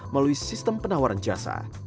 melalui sistem penawaran jasa